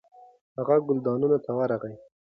هغه ګلدانونو ته ورغی.